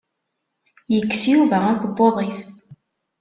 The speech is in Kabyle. Yekkes Yuba akebbuḍ-is.